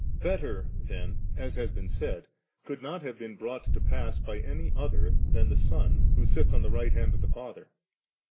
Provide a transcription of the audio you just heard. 61. (la) * Better' then, as has been said, could not have been brought to pass by any other than the Son, who sits on the right hand of the Father.